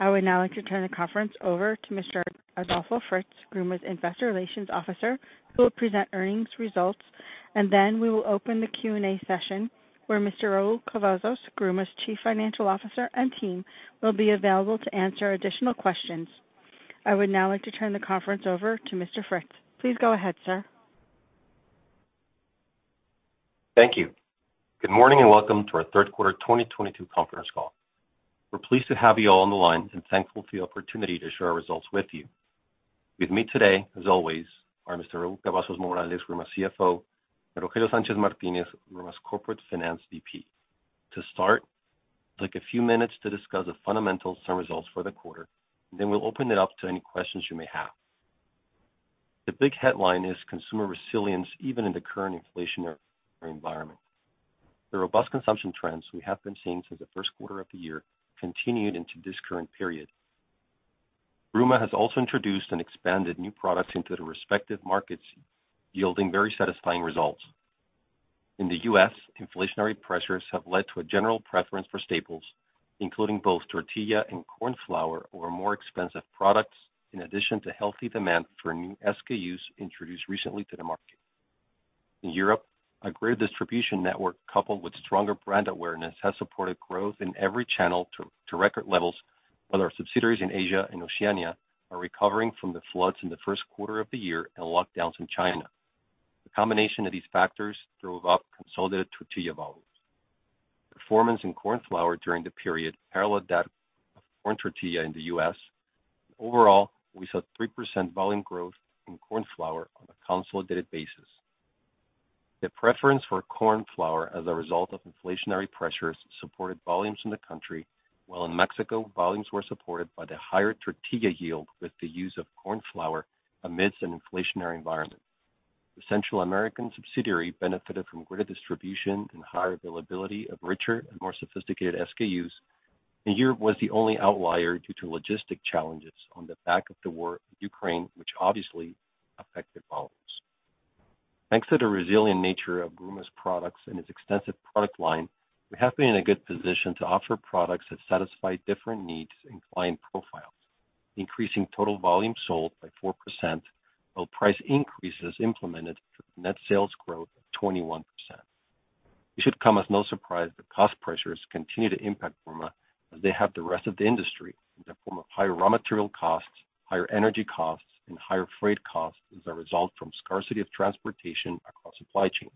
I would now like to turn the conference over to Mr. Adolfo Fritz, Gruma's Investor Relations Officer, who will present earnings results. We will open the Q&A session where Mr. Raúl Cavazos, Gruma's Chief Financial Officer, and team will be available to answer additional questions. I would now like to turn the conference over to Mr. Fritz. Please go ahead, Sir. Thank you. Good morning, and welcome to our third quarter 2022 conference call. We're pleased to have you all on the line and thankful for the opportunity to share our results with you. With me today, as always, are Mr. Raúl Cavazos Morales, Gruma's CFO, and Rogelio Sánchez Martínez, Gruma's Corporate Finance VP. To start, I'd like a few minutes to discuss the fundamentals and results for the quarter. Then we'll open it up to any questions you may have. The big headline is consumer resilience even in the current inflationary environment. The robust consumption trends we have been seeing since the first quarter of the year continued into this current period. Gruma has also introduced and expanded new products into the respective markets, yielding very satisfying results. In the U.S., inflationary pressures have led to a general preference for staples, including both tortilla and corn flour or more expensive products, in addition to healthy demand for new SKUs introduced recently to the market. In Europe, a greater distribution network coupled with stronger brand awareness has supported growth in every channel to record levels, while our subsidiaries in Asia and Oceania are recovering from the floods in the first quarter of the year and lockdowns in China. The combination of these factors drove up consolidated tortilla volumes. Performance in corn flour during the period paralleled that of corn tortilla in the U.S. Overall, we saw 3% volume growth in corn flour on a consolidated basis. The preference for corn flour as a result of inflationary pressures supported volumes in the country, while in Mexico, volumes were supported by the higher tortilla yield with the use of corn flour amidst an inflationary environment. The Central American subsidiary benefited from greater distribution and higher availability of richer and more sophisticated SKUs, and Europe was the only outlier due to logistic challenges on the back of the war in Ukraine, which obviously affected volumes. Thanks to the resilient nature of Gruma's products and its extensive product line, we have been in a good position to offer products that satisfy different needs and client profiles, increasing total volume sold by 4%, while price increases implemented net sales growth of 21%. It should come as no surprise that cost pressures continue to impact Gruma as they have the rest of the industry in the form of higher raw material costs, higher energy costs, and higher freight costs as a result from scarcity of transportation across supply chains.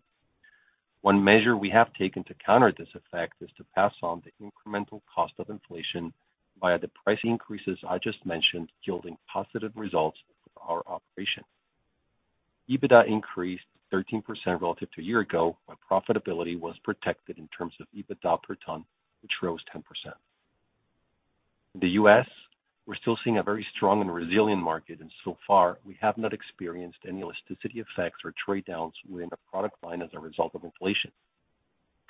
One measure we have taken to counter this effect is to pass on the incremental cost of inflation via the price increases I just mentioned, yielding positive results for our operations. EBITDA increased 13% relative to a year ago, while profitability was protected in terms of EBITDA per ton, which rose 10%. In the U.S., we're still seeing a very strong and resilient market, and so far, we have not experienced any elasticity effects or trade-downs within the product line as a result of inflation.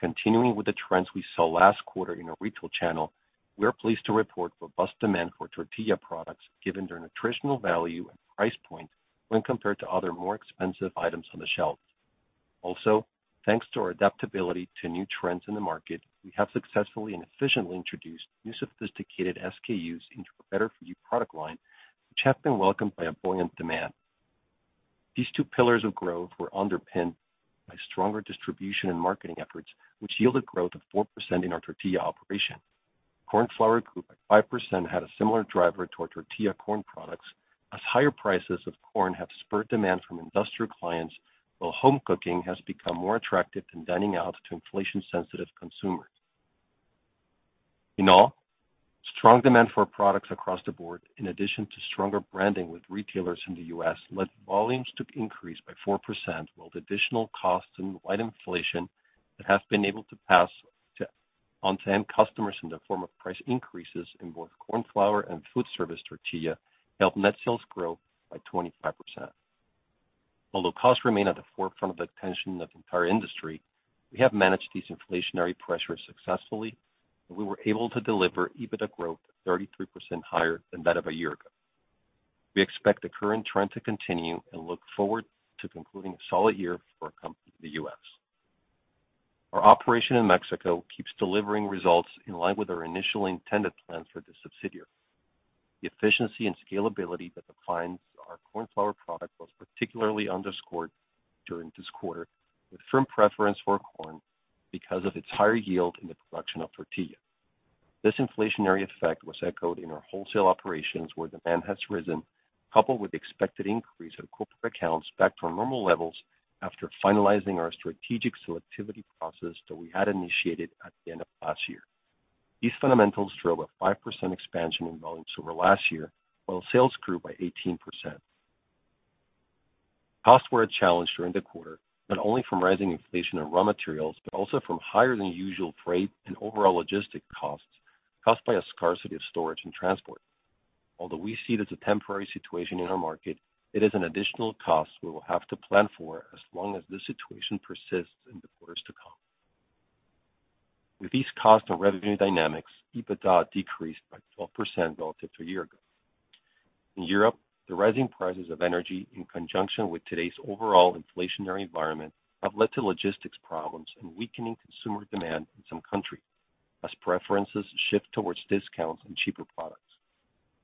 Continuing with the trends we saw last quarter in our retail channel, we are pleased to report robust demand for tortilla products given their nutritional value and price point when compared to other more expensive items on the shelf. Also, thanks to our adaptability to new trends in the market, we have successfully and efficiently introduced new sophisticated SKUs into our Better For You product line, which have been welcomed by a buoyant demand. These two pillars of growth were underpinned by stronger distribution and marketing efforts, which yielded growth of 4% in our tortilla operation. Corn flour grew by 5%, had a similar driver to our tortilla corn products as higher prices of corn have spurred demand from industrial clients, while home cooking has become more attractive than dining out to inflation-sensitive consumers. In all, strong demand for our products across the board, in addition to stronger branding with retailers in the U.S., led volumes to increase by 4%, while the additional costs and widespread inflation that has been able to pass on to end customers in the form of price increases in both corn flour and foodservice tortilla helped net sales grow by 25%. Although costs remain at the forefront of the attention of the entire industry, we have managed these inflationary pressures successfully, and we were able to deliver EBITDA growth 33% higher than that of a year ago. We expect the current trend to continue and look forward to concluding a solid year for our company in the U.S. Our operation in Mexico keeps delivering results in line with our initial intended plans for this subsidiary. The efficiency and scalability that clients saw in our corn flour product was particularly underscored during this quarter with firm preference for corn because of its higher yield in the production of tortilla. This inflationary effect was echoed in our wholesale operations, where demand has risen, coupled with expected increase in corporate accounts back to our normal levels after finalizing our strategic selectivity process that we had initiated at the end of last year. These fundamentals drove a 5% expansion in volumes over last year, while sales grew by 18%. Costs were a challenge during the quarter, not only from rising inflation and raw materials, but also from higher than usual freight and overall logistics costs caused by a scarcity of storage and transport. Although we see it as a temporary situation in our market, it is an additional cost we will have to plan for as long as this situation persists in the quarters to come. With these cost and revenue dynamics, EBITDA decreased by 12% relative to a year ago. In Europe, the rising prices of energy, in conjunction with today's overall inflationary environment, have led to logistics problems and weakening consumer demand in some countries as preferences shift towards discounts and cheaper products.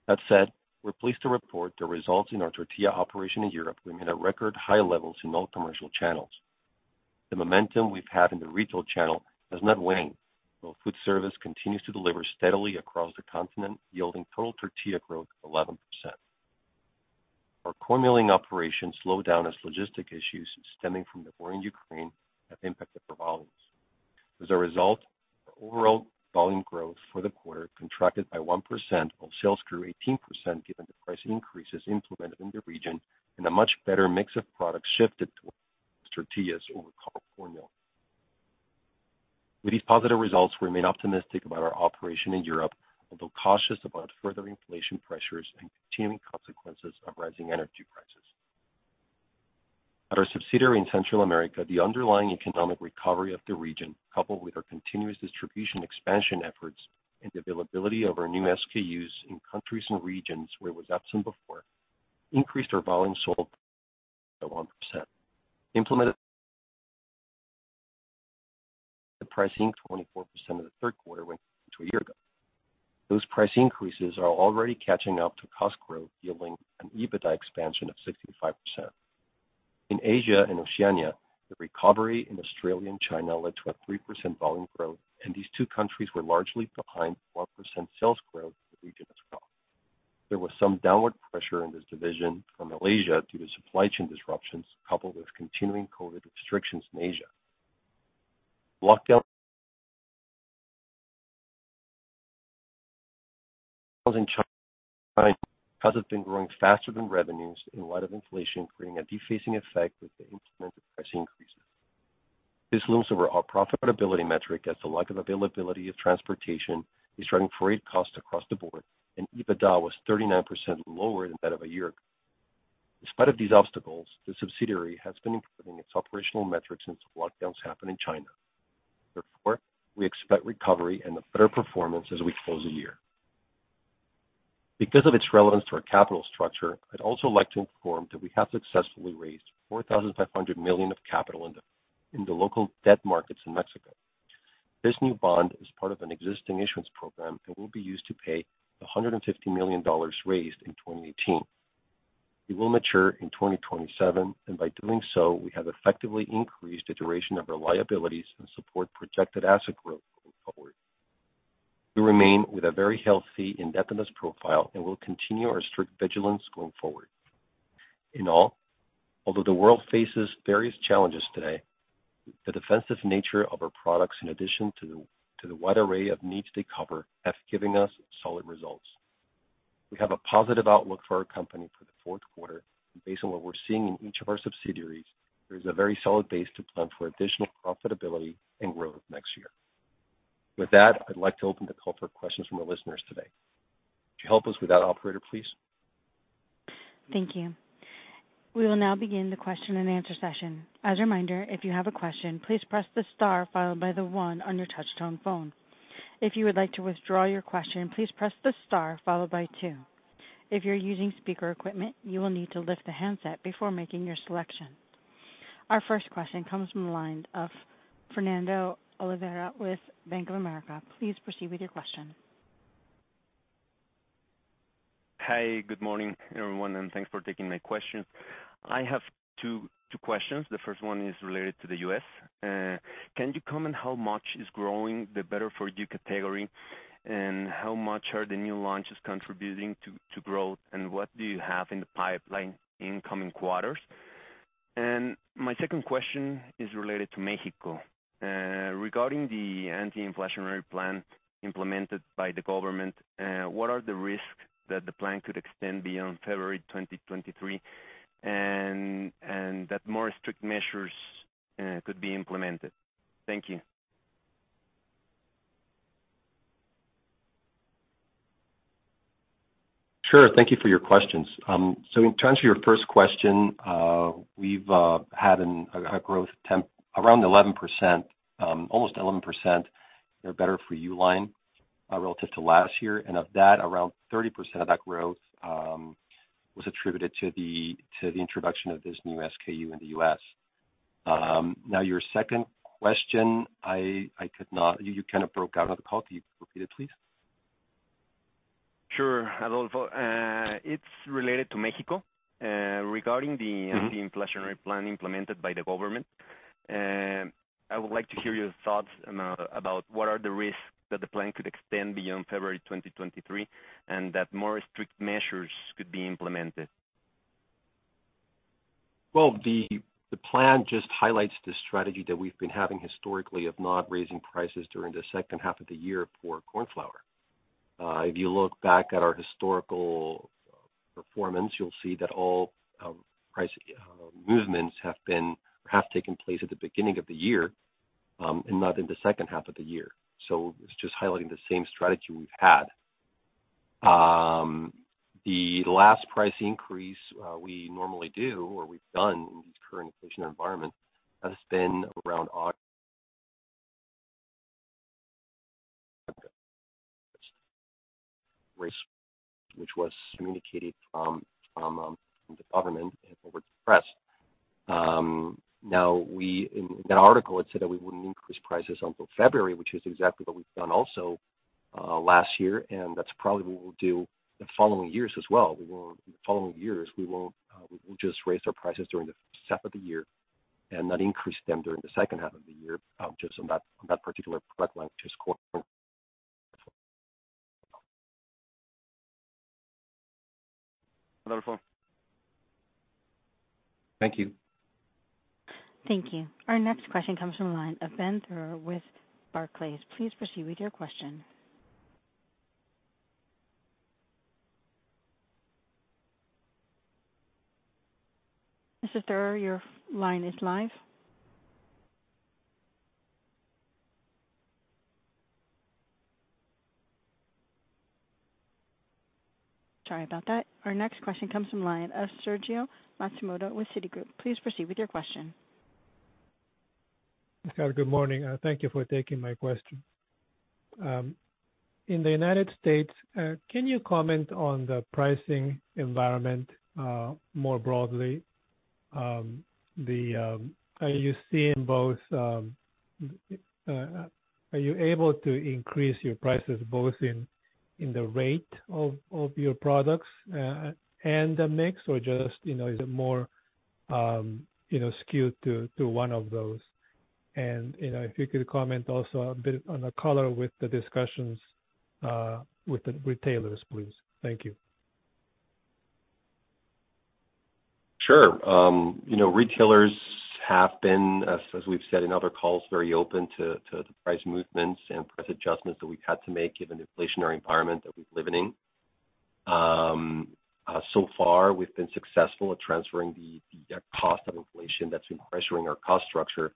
That said, we're pleased to report the results in our tortilla operation in Europe remain at record high levels in all commercial channels. The momentum we've had in the retail channel has not waned, while foodservice continues to deliver steadily across the continent, yielding total tortilla growth of 11%. Our corn milling operations slowed down as logistic issues stemming from the war in Ukraine have impacted volumes. As a result, our overall volume growth for the quarter contracted by 1%, while sales grew 18% given the price increases implemented in the region and a much better mix of products shifted towards tortillas over cornmeal. With these positive results, we remain optimistic about our operation in Europe, although cautious about further inflation pressures and continuing consequences of rising energy prices. At our subsidiary in Central America, the underlying economic recovery of the region, coupled with our continuous distribution expansion efforts and the availability of our new SKUs in countries and regions where it was absent before, increased our volume sold by 11%. We implemented pricing increases of 24% in the third quarter compared to a year ago. Those price increases are already catching up to cost growth, yielding an EBITDA expansion of 65%. In Asia and Oceania, the recovery in Australia and China led to a 3% volume growth, and these two countries were largely behind 4% sales growth in the region as well. There was some downward pressure in this division from Malaysia due to supply chain disruptions, coupled with continuing COVID restrictions in Asia. Costs in China have been growing faster than revenues in light of inflation, creating a deflating effect with the implemented price increases. This looms over our profitability metric as the lack of availability of transportation is driving freight costs across the board and EBITDA was 39% lower than that of a year ago. In spite of these obstacles, the subsidiary has been improving its operational metrics since the lockdowns happened in China. Therefore, we expect recovery and a better performance as we close the year. Because of its relevance to our capital structure, I'd also like to inform that we have successfully raised 4,500 million of capital in the local debt markets in Mexico. This new bond is part of an existing issuance program and will be used to pay $150 million raised in 2018. It will mature in 2027, and by doing so, we have effectively increased the duration of our liabilities and support projected asset growth going forward. We remain with a very healthy and debt-less profile and will continue our strict vigilance going forward. In all, although the world faces various challenges today, the defensive nature of our products, in addition to the wide array of needs they cover, have given us solid results. We have a positive outlook for our company for the fourth quarter, and based on what we're seeing in each of our subsidiaries, there is a very solid base to plan for additional profitability and growth next year. With that, I'd like to open the call for questions from our listeners today. Could you help us with that, operator, please? Thank you. We will now begin the question and answer session. As a reminder, if you have a question, please press the star followed by the one on your touchtone phone. If you would like to withdraw your question, please press the star followed by two. If you're using speaker equipment, you will need to lift the handset before making your selection. Our first question comes from the line of Fernando Olvera with Bank of America. Please proceed with your question. Hi, good morning, everyone, and thanks for taking my question. I have two questions. The first one is related to the U.S. Can you comment how much is growing the Better For You category, and how much are the new launches contributing to growth, and what do you have in the pipeline in coming quarters? My second question is related to Mexico. Regarding the anti-inflationary plan implemented by the government, what are the risks that the plan could extend beyond February 2023 and that more strict measures could be implemented? Thank you. Sure. Thank you for your questions. So in terms of your first question, we've had a growth tempo around 11%, almost 11% in our Better For You line, relative to last year. Of that, around 30% of that growth was attributed to the introduction of this new SKU in the U.S. Now your second question, I could not. You kind of broke up on the call. Can you repeat it, please? Sure, Adolfo. It's related to Mexico, regarding Mm-hmm. Anti-inflationary plan implemented by the government. I would like to hear your thoughts about what are the risks that the plan could extend beyond February 2023 and that more strict measures could be implemented. Well, the plan just highlights the strategy that we've been having historically of not raising prices during the second half of the year for corn flour. If you look back at our historical performance, you'll see that all price movements have taken place at the beginning of the year and not in the second half of the year. It's just highlighting the same strategy we've had. The last price increase we normally do or we've done in this current inflation environment has been around August, which was communicated from the government over to the press. Now in that article, it said that we wouldn't increase prices until February, which is exactly what we've done also last year, and that's probably what we'll do the following years as well. In the following years, we won't, we will just raise our prices during the first half of the year and not increase them during the second half of the year, just on that particular product line, which is corn. Adolfo? Thank you. Thank you. Our next question comes from the line of Benjamin Theurer with Barclays. Please proceed with your question. Mr. Theurer, your line is live. Sorry about that. Our next question comes from the line of Sergio Matsumoto with Citigroup. Please proceed with your question. Scott, good morning, and thank you for taking my question. In the United States, can you comment on the pricing environment more broadly? Are you able to increase your prices both in the rate of your products and the mix? Or just, you know, is it more, you know, skewed to one of those? You know, if you could comment also a bit on the color with the discussions with the retailers, please. Thank you. Sure. You know, retailers have been, as we've said in other calls, very open to the price movements and price adjustments that we've had to make given the inflationary environment that we're living in. So far we've been successful at transferring the cost of inflation that's been pressuring our cost structure.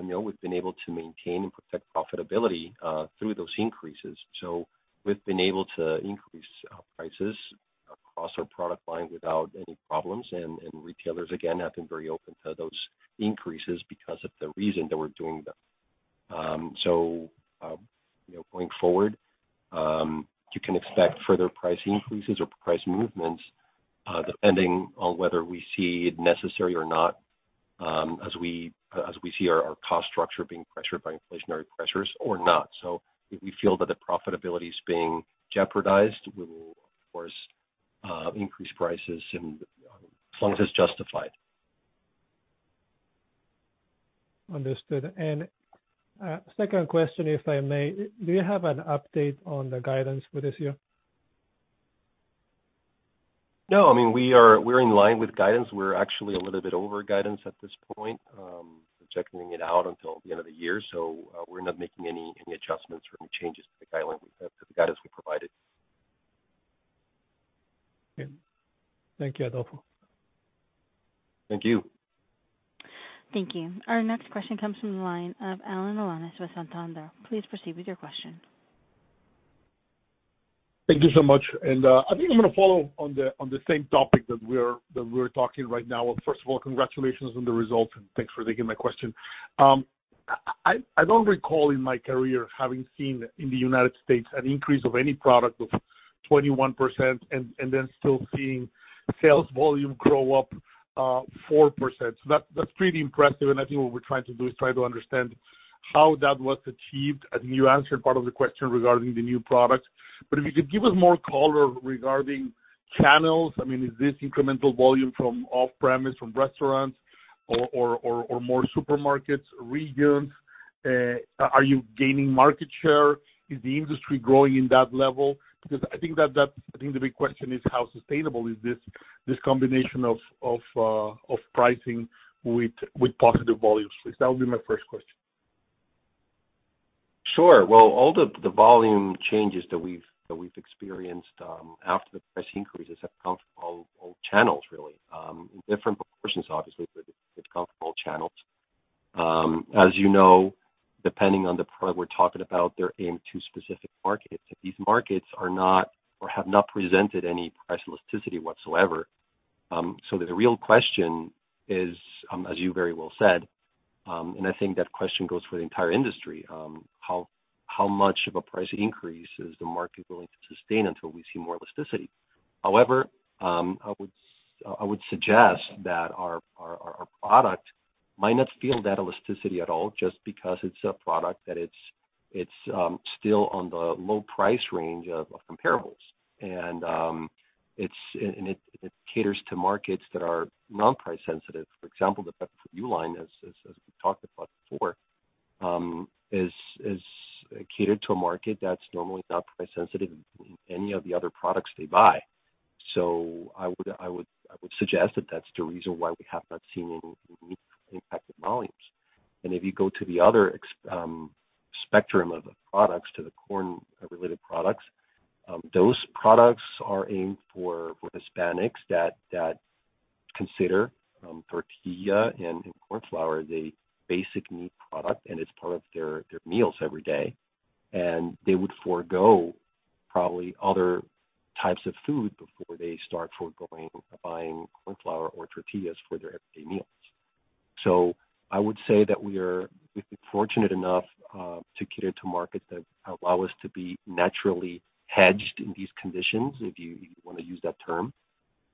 You know, we've been able to maintain and protect profitability through those increases. We've been able to increase our prices across our product line without any problems. Retailers, again, have been very open to those increases because of the reason that we're doing them. You know, going forward, you can expect further price increases or price movements, depending on whether we see it necessary or not, as we see our cost structure being pressured by inflationary pressures or not. If we feel that the profitability is being jeopardized, we will of course increase prices and, as long as it's justified. Understood. Second question, if I may. Do you have an update on the guidance for this year? No. I mean, we're in line with guidance. We're actually a little bit over guidance at this point, projecting it out until the end of the year. We're not making any adjustments or any changes to the guidance we provided. Okay. Thank you, Adolfo. Thank you. Thank you. Our next question comes from the line of Alan Alanis with Santander. Please proceed with your question. Thank you so much. I think I'm gonna follow on the same topic that we're talking right now. First of all, congratulations on the results, and thanks for taking my question. I don't recall in my career having seen in the United States an increase of any product of 21% and then still seeing sales volume grow up 4%. That's pretty impressive. I think what we're trying to do is try to understand how that was achieved. I think you answered part of the question regarding the new product. If you could give us more color regarding channels. I mean, is this incremental volume from off-premise, from restaurants or more supermarkets, regions? Are you gaining market share? Is the industry growing in that level? Because I think the big question is how sustainable is this combination of pricing with positive volumes? Please, that would be my first question. Sure. Well, all the volume changes that we've experienced after the price increases have come from all channels really. In different proportions obviously, but it's come from all channels. As you know, depending on the product we're talking about, they're aimed to specific markets. These markets are not or have not presented any price elasticity whatsoever. The real question is, as you very well said, and I think that question goes for the entire industry, how much of a price increase is the market going to sustain until we see more elasticity? However, I would suggest that our product might not feel that elasticity at all just because it's a product that it's still on the low price range of comparables. It caters to markets that are non-price sensitive. For example, the Pepperidge Farm line, as we talked about before, is catered to a market that's normally not price sensitive in any of the other products they buy. I would suggest that that's the reason why we have not seen any immediate impact in volumes. If you go to the other spectrum of the products, to the corn-related products, those products are aimed for Hispanics that consider tortilla and corn flour the basic need product, and it's part of their meals every day. They would forego probably other types of food before they start foregoing buying corn flour or tortillas for their everyday meals. I would say that we are, we've been fortunate enough, to cater to markets that allow us to be naturally hedged in these conditions, if you wanna use that term,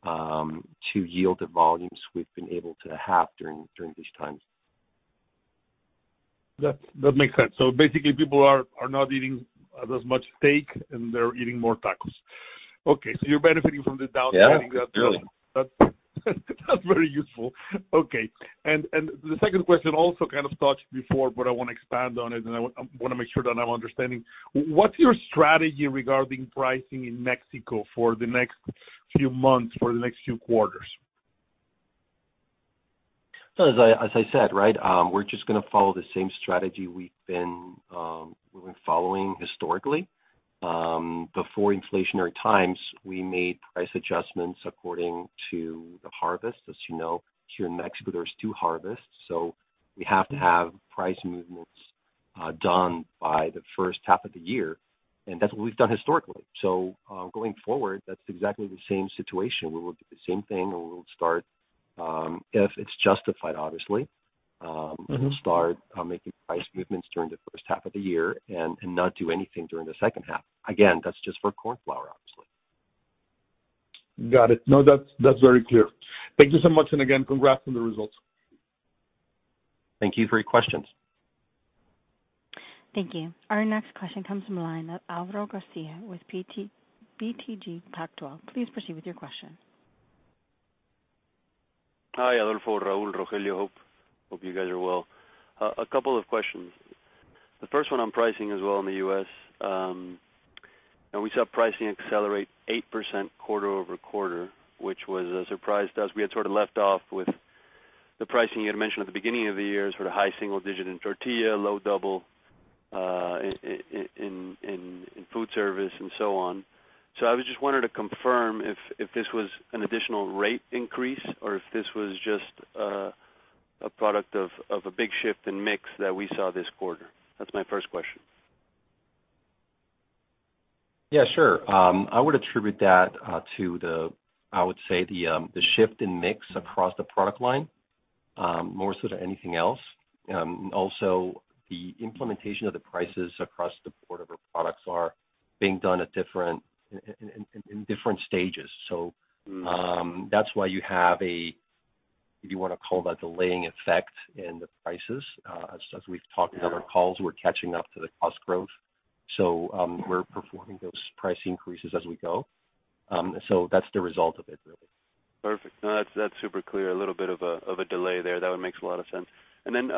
to yield the volumes we've been able to have during these times. That makes sense. Basically, people are not eating as much steak, and they're eating more tacos. Okay, so you're benefiting from the downside. Yeah, really. That's very useful. Okay. The second question also kind of touched before, but I wanna expand on it, and I wanna make sure that I'm understanding. What's your strategy regarding pricing in Mexico for the next few months, for the next few quarters? As I said, we're just gonna follow the same strategy we've been following historically. Before inflationary times, we made price adjustments according to the harvest. As you know, here in Mexico, there's two harvests, so we have to have price movements done by the first half of the year, and that's what we've done historically. Going forward, that's exactly the same situation. We will do the same thing or we'll start if it's justified, obviously. Mm-hmm. We'll start making price movements during the first half of the year and not do anything during the second half. Again, that's just for corn flour, obviously. Got it. No, that's very clear. Thank you so much. Again, congrats on the results. Thank you for your questions. Thank you. Our next question comes from line of Alvaro Garcia with BTG Pactual. Please proceed with your question. Hi, Adolfo, Raúl, Rogelio. Hope you guys are well. A couple of questions. The first one on pricing as well in the U.S. Now we saw pricing accelerate 8% quarter-over-quarter, which was a surprise to us. We had sort of left off with the pricing you had mentioned at the beginning of the year, sort of high single-digit in tortilla, low double-digit in foodservice and so on. I was just wondering to confirm if this was an additional rate increase or if this was just a product of a big shift in mix that we saw this quarter. That's my first question. Yeah, sure. I would attribute that to the, I would say the shift in mix across the product line, more so than anything else. Also the implementation of the prices across the board of our products are being done at different stages. That's why you have a, if you wanna call that delaying effect in the prices. As we've talked in other calls, we're catching up to the cost growth. We're performing those price increases as we go. That's the result of it, really. Perfect. No, that's super clear. A little bit of a delay there. That one makes a lot of sense. Then,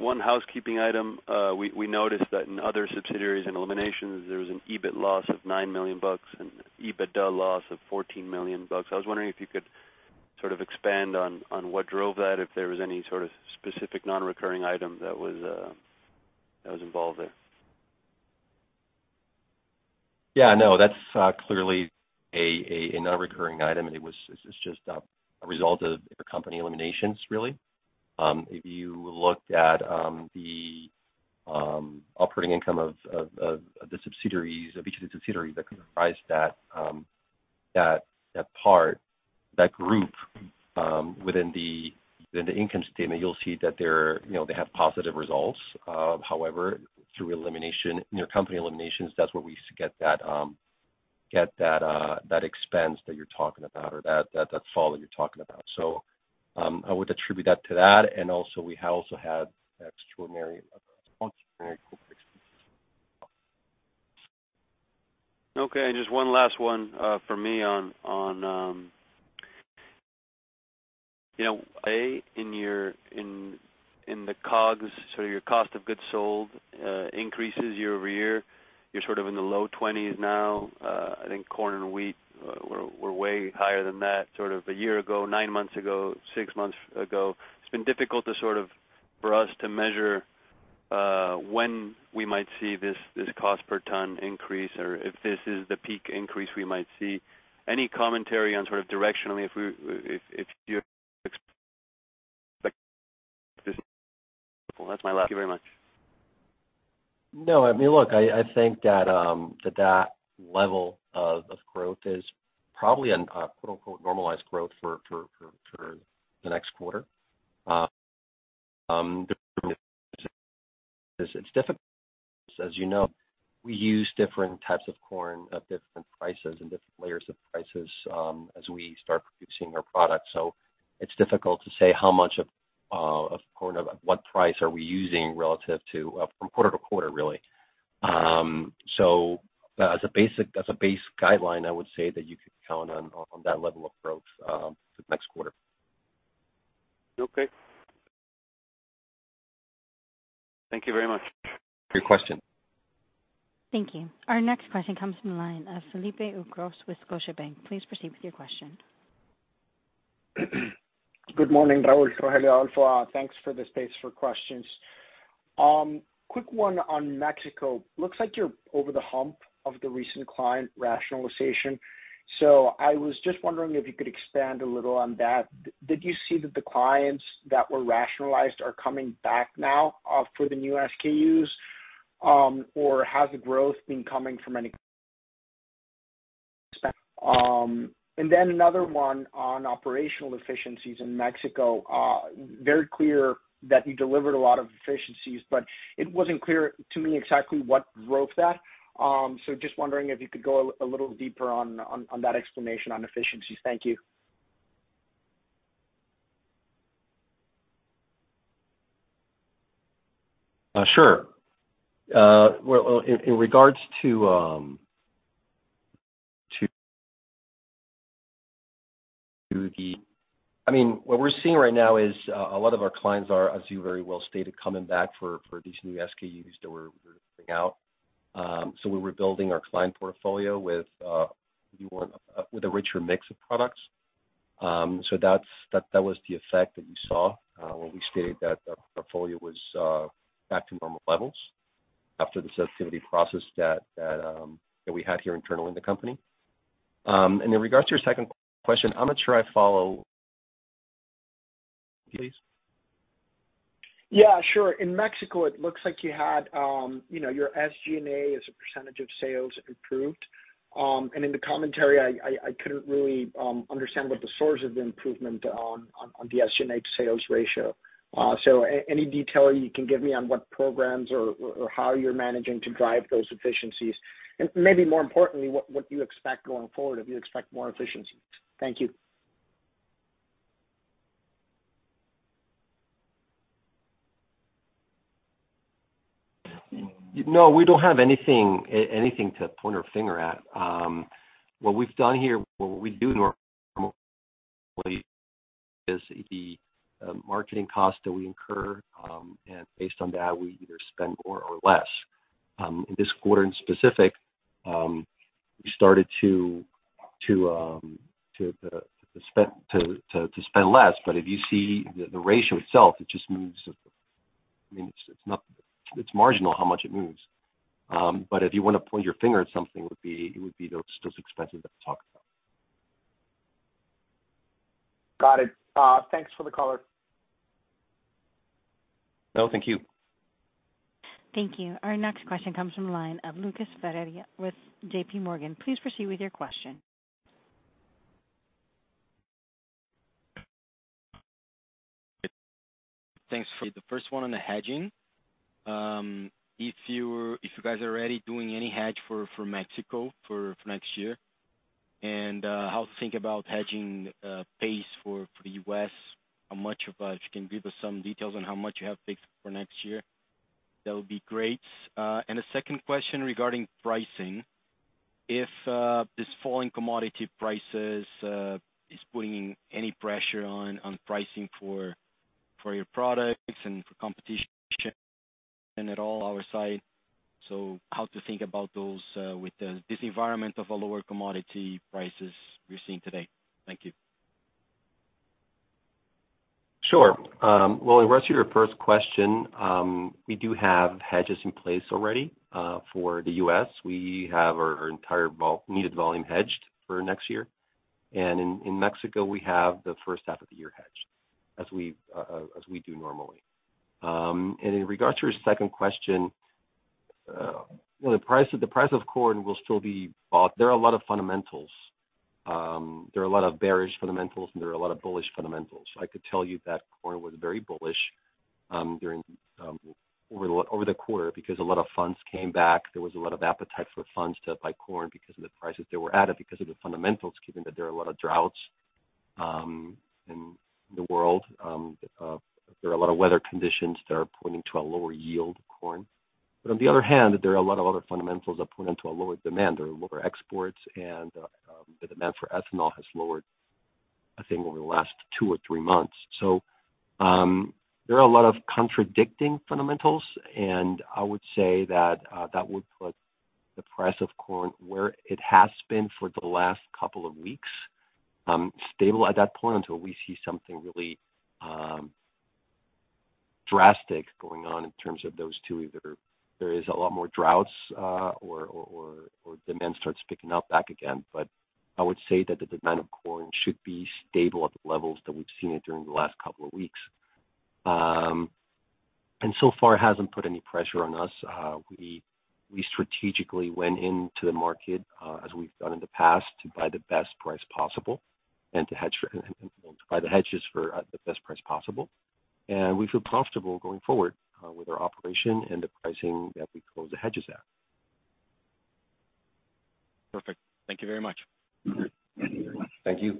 one housekeeping item. We noticed that in other subsidiaries and eliminations, there was an EBIT loss of $9 million and EBITDA loss of $14 million. I was wondering if you could sort of expand on what drove that, if there was any sort of specific non-recurring item that was involved there. Yeah, no, that's clearly a non-recurring item. It's just a result of intercompany eliminations, really. If you looked at the operating income of each of the subsidiaries that comprise that part, that group within the income statement, you'll see that they're, you know, they have positive results. However, through intercompany eliminations, that's where we get that expense that you're talking about or that fall that you're talking about. I would attribute that to that. Also, we have also had extraordinary corporate expenses. Okay. Just one last one from me on you know, in your COGS, so your cost of goods sold, increases year over year. You're sort of in the low 20th now. I think corn and wheat were way higher than that sort of one year ago, nine months ago, six months ago. It's been difficult to sort of for us to measure when we might see this cost per ton increase or if this is the peak increase we might see. Any commentary on sort of directionally if we if you? That's my last. Thank you very much. No, I mean, look, I think that level of growth is probably a quote-unquote normalized growth for the next quarter. It's difficult, as you know. We use different types of corn at different prices and different layers of prices as we start producing our products. It's difficult to say how much of corn or what price are we using relative to from quarter to quarter, really. As a base guideline, I would say that you could count on that level of growth for the next quarter. Okay. Thank you very much. Next question. Thank you. Our next question comes from the line of Felipe Ucros with Scotiabank. Please proceed with your question. Good morning, Raúl, Rogelio, Adolfo. Thanks for the space for questions. Quick one on Mexico. Looks like you're over the hump of the recent client rationalization. I was just wondering if you could expand a little on that. Did you see that the clients that were rationalized are coming back now, for the new SKUs? Or has the growth been coming from any? Another one on operational efficiencies in Mexico. Very clear that you delivered a lot of efficiencies, but it wasn't clear to me exactly what drove that. Just wondering if you could go a little deeper on that explanation on efficiencies. Thank you. Sure. Well, in regards to the, I mean, what we're seeing right now is a lot of our clients are, as you very well stated, coming back for these new SKUs that we're putting out. So we're rebuilding our client portfolio with a richer mix of products. So that was the effect that you saw when we stated that our portfolio was back to normal levels after this activity process that we had here internally in the company. In regards to your second question, I'm not sure I follow. Please. Yeah, sure. In Mexico, it looks like you had, you know, your SG&A as a percentage of sales improved. In the commentary, I couldn't really understand what the source of the improvement on the SG&A to sales ratio. Any detail you can give me on what programs or how you're managing to drive those efficiencies? Maybe more importantly, what you expect going forward, if you expect more efficiencies. Thank you. No, we don't have anything to point our finger at. What we've done here, what we do normally is the marketing costs that we incur, and based on that, we either spend more or less. In this quarter in specific, we started to spend less. If you see the ratio itself, it just moves. I mean, it's not. It's marginal how much it moves. If you wanna point your finger at something, it would be those expenses that we talked about. Got it. Thanks for the color. No, thank you. Thank you. Our next question comes from the line of Lucas Ferreira with JPMorgan. Please proceed with your question. Thanks. The first one on the hedging. If you guys are already doing any hedge for Mexico for next year, and how to think about hedging pace for the U.S., how much if you can give us some details on how much you have fixed for next year, that would be great. And the second question regarding pricing, if this falling commodity prices is putting any pressure on pricing for your products and for competition at all on our side. How to think about those with this environment of a lower commodity prices we're seeing today. Thank you. Sure. Well, in regards to your first question, we do have hedges in place already, for the U.S. We have our entire needed volume hedged for next year. In Mexico, we have the first half of the year hedged, as we do normally. In regards to your second question, you know, the price of corn will still be bought. There are a lot of fundamentals. There are a lot of bearish fundamentals, and there are a lot of bullish fundamentals. I could tell you that corn was very bullish over the quarter because a lot of funds came back. There was a lot of appetite for funds to buy corn because of the prices they were at, because of the fundamentals, given that there are a lot of droughts in the world. There are a lot of weather conditions that are pointing to a lower yield corn. But on the other hand, there are a lot of other fundamentals that point to a lower demand. There are lower exports and the demand for ethanol has lowered, I think, over the last two or three months. There are a lot of contradicting fundamentals, and I would say that that would put the price of corn where it has been for the last couple of weeks, stable at that point until we see something really drastic going on in terms of those two. Either there is a lot more droughts, or demand starts picking up back again. I would say that the demand of corn should be stable at the levels that we've seen it during the last couple of weeks. So far it hasn't put any pressure on us. We strategically went into the market, as we've done in the past to buy at the best price possible and to hedge, to buy the hedges at the best price possible. We feel comfortable going forward with our operation and the pricing that we close the hedges at. Perfect. Thank you very much. Mm-hmm. Thank you.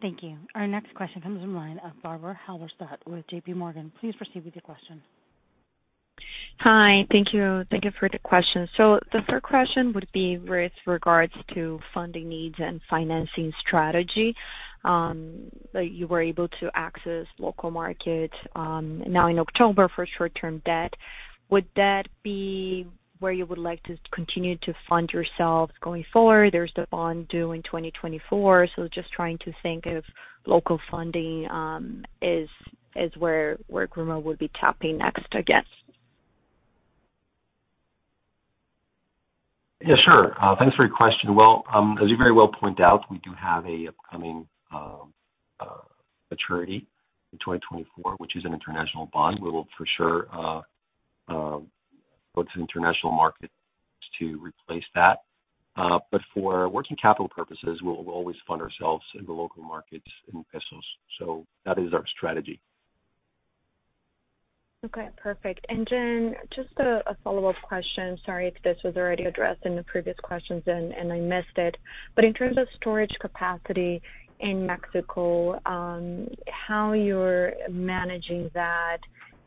Thank you. Our next question comes from the line of Barbara Halberstad with JPMorgan. Please proceed with your question. Hi. Thank you. Thank you for the questions. The first question would be with regards to funding needs and financing strategy. You were able to access local market, now in October for short-term debt. Would that be where you would like to continue to fund yourselves going forward? There's the bond due in 2024, so just trying to think if local funding is where Gruma would be tapping next, I guess. Yeah, sure. Thanks for your question. Well, as you very well point out, we do have an upcoming maturity in 2024, which is an international bond. We will for sure go to international market to replace that. But for working capital purposes, we'll always fund ourselves in the local markets in pesos. That is our strategy. Okay, perfect. Just a follow-up question. Sorry if this was already addressed in the previous questions and I missed it. In terms of storage capacity in Mexico, how you're managing that,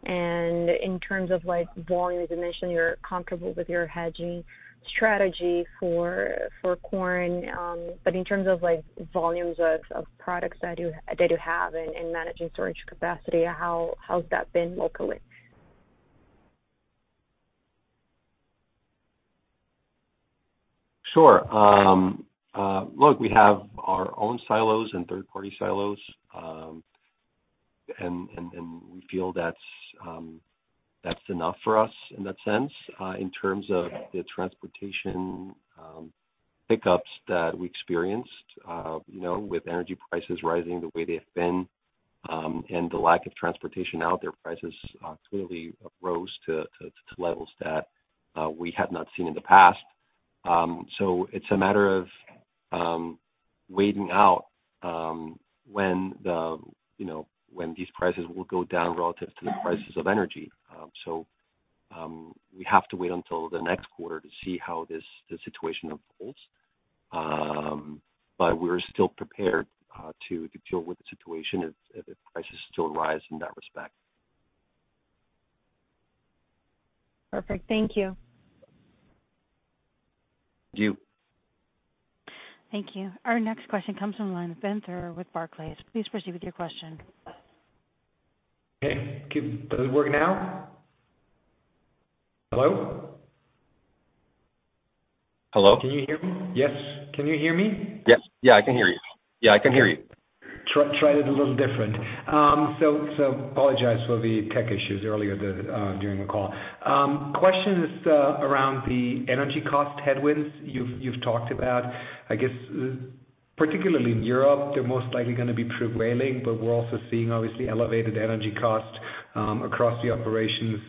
and in terms of like volumes, you mentioned you're comfortable with your hedging strategy for corn. In terms of like volumes of products that you have in managing storage capacity, how has that been locally? Sure. Look, we have our own silos and third-party silos. We feel that's enough for us in that sense. In terms of the transportation pickups that we experienced, you know, with energy prices rising the way they have been, and the lack of transportation out there, prices clearly rose to levels that we had not seen in the past. It's a matter of waiting out when, you know, when these prices will go down relative to the prices of energy. We have to wait until the next quarter to see how the situation evolves. We're still prepared to deal with the situation if prices still rise in that respect. Perfect. Thank you. Thank you. Thank you. Our next question comes from the line of Benjamin Theurer with Barclays. Please proceed with your question. Okay. Does it work now? Hello? Hello. Can you hear me? Yes. Can you hear me? Yes. Yeah, I can hear you. Yeah, I can hear you. Tried it a little different. Apologize for the tech issues earlier during the call. Question is around the energy cost headwinds you've talked about. I guess particularly in Europe, they're most likely gonna be prevailing, but we're also seeing obviously elevated energy costs across the operations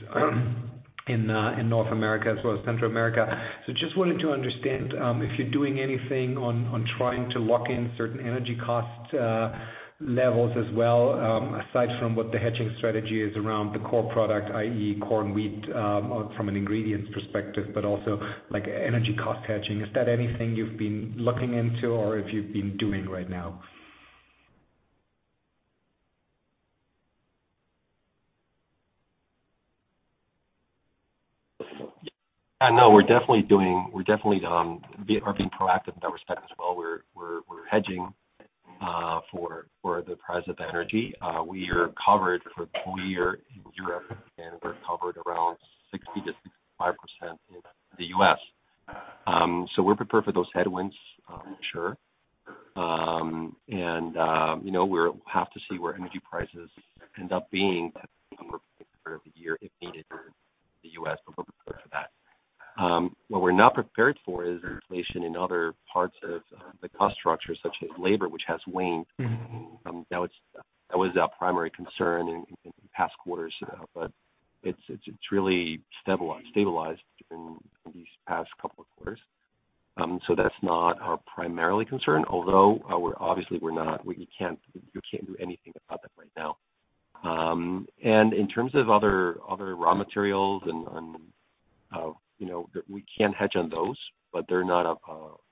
in North America as well as Central America. Just wanted to understand if you're doing anything on trying to lock in certain energy cost levels as well, aside from what the hedging strategy is around the core product, i.e. corn, wheat, from an ingredients perspective, but also like energy cost hedging. Is that anything you've been looking into or if you've been doing right now? Yeah. No, we're definitely being proactive in that respect as well. We're hedging for the price of energy. We are covered for full year in Europe, and we're covered around 60%-65% in the U.S. So we're prepared for those headwinds, sure. You know, we have to see where energy prices end up being for the year if needed in the U.S., but we're prepared for that. What we're not prepared for is inflation in other parts of the cost structure, such as labor, which has waned. That was our primary concern in past quarters. But it's really stabilized in these past couple of quarters. That's not our primary concern, although we're obviously not. We can't do anything about that right now. In terms of other raw materials and, you know, we can't hedge on those, but they're not a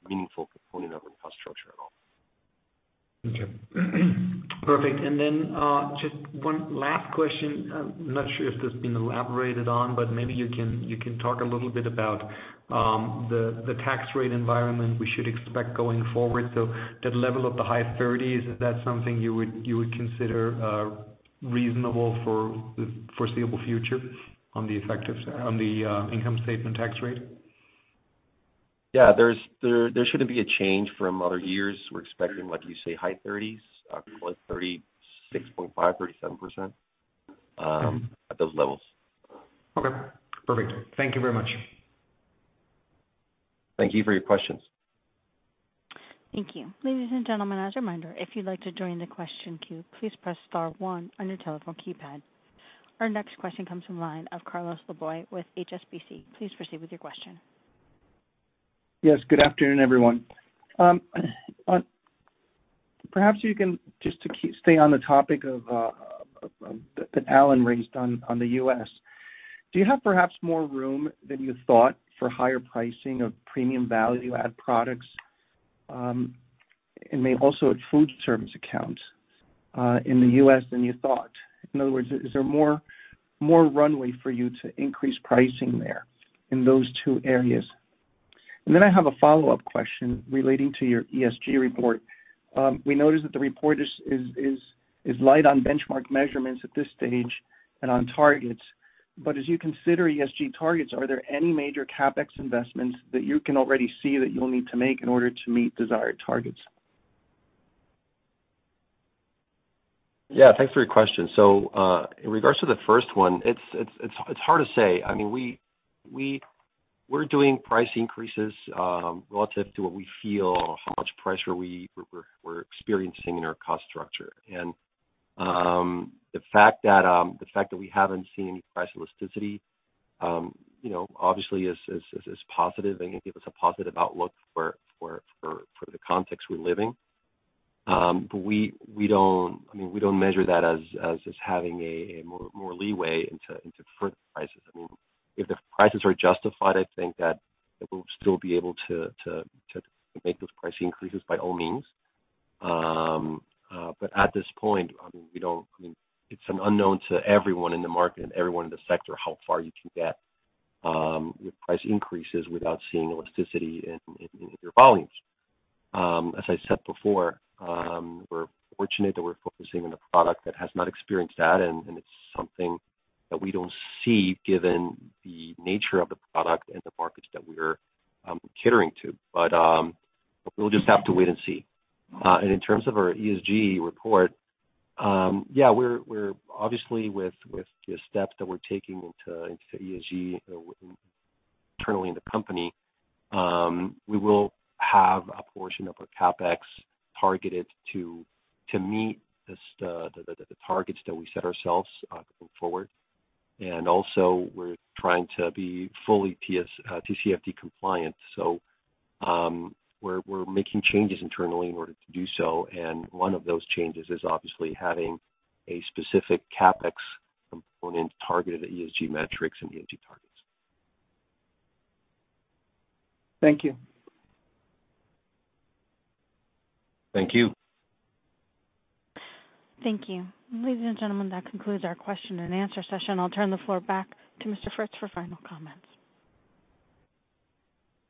meaningful component of our cost structure at all. Okay. Perfect. Then, just one last question. I'm not sure if that's been elaborated on, but maybe you can talk a little bit about the tax rate environment we should expect going forward. That level of the high 30s, is that something you would consider reasonable for the foreseeable future on the effective side, on the income statement tax rate? Yeah. There shouldn't be a change from other years. We're expecting, like you say, high 30+, 36.5%-37%, at those levels. Okay. Perfect. Thank you very much. Thank you for your questions. Thank you. Ladies and gentlemen, as a reminder, if you'd like to join the question queue, please press star one on your telephone keypad. Our next question comes from line of Carlos Laboy with HSBC. Please proceed with your question. Yes, good afternoon, everyone. Perhaps you can just to stay on the topic of that Alan raised on the U.S. Do you have perhaps more room than you thought for higher pricing of premium value add products, and maybe also at foodservice accounts in the U.S. than you thought? In other words, is there more runway for you to increase pricing there in those two areas? I have a follow-up question relating to your ESG report. We noticed that the report is light on benchmark measurements at this stage and on targets. As you consider ESG targets, are there any major CapEx investments that you can already see that you'll need to make in order to meet desired targets? Yeah, thanks for your question. In regards to the first one, it's hard to say. I mean, we're doing price increases relative to what we feel, how much pressure we're experiencing in our cost structure. The fact that we haven't seen any price elasticity, you know, obviously is positive and can give us a positive outlook for the context we're living. We don't, I mean, we don't measure that as having a more leeway into further prices. I mean, if the prices are justified, I think that we'll still be able to make those price increases by all means. At this point, I mean, we don't. I mean, it's an unknown to everyone in the market and everyone in the sector how far you can get with price increases without seeing elasticity in your volumes. As I said before, we're fortunate that we're focusing on a product that has not experienced that, and it's something that we don't see given the nature of the product and the markets that we're catering to. We'll just have to wait and see. In terms of our ESG report, yeah, we're obviously with the steps that we're taking into ESG internally in the company, we will have a portion of our CapEx targeted to meet the targets that we set ourselves going forward. Also we're trying to be fully TCFD compliant. We're making changes internally in order to do so, and one of those changes is obviously having a specific CapEx component targeted at ESG metrics and ESG targets. Thank you. Thank you. Thank you. Ladies and gentlemen, that concludes our question and answer session. I'll turn the floor back to Mr. Fritz for final comments.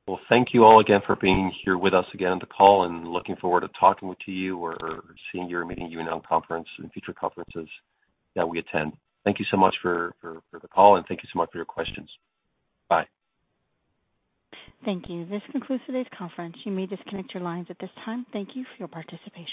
Well, thank you all again for being here with us again for the call, and looking forward to talking to you or seeing you or meeting you in future conferences that we attend. Thank you so much for the call, and thank you so much for your questions. Bye. Thank you. This concludes today's conference. You may disconnect your lines at this time. Thank you for your participation.